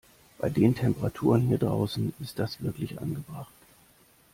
Bei den Temperaturen hier draußen ist das wirklich angebracht.